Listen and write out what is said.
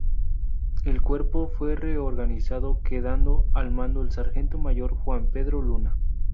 El cuerpo fue reorganizado quedando al mando el sargento mayor Juan Pedro Luna.